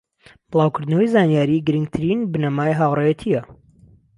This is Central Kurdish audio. بڵاوکردنەوەی زانیاری گرنگترین بنەمای هاوڕێیەتیە